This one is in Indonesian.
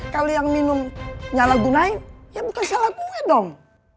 kalo yang minum nyala gunain ya bukan salah gue dong